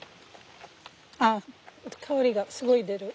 あっ香りがすごい出る。